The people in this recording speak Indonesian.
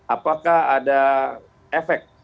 apakah ada efek